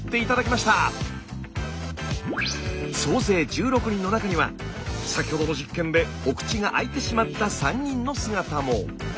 総勢１６人の中には先ほどの実験でお口が開いてしまった３人の姿も。